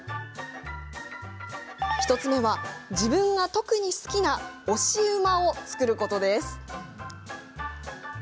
１つ目は、自分が特に好きな推し馬を作ることです。